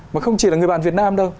mà không chỉ là người bạn việt nam đâu